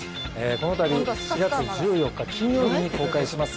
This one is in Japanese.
このたび４月１４日金曜日に公開します